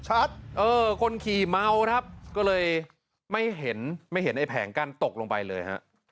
ชัดคนขี่ม้าครับก็เลยไม่เห็นไอ้แผงกั้นตกลงไปเลย